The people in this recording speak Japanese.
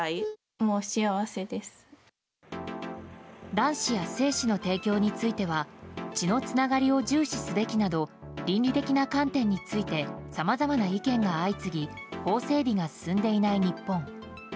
卵子や精子の提供については血のつながりを重視すべきなど倫理的な観点についてさまざまな意見が相次ぎ法整備が進んでいない日本。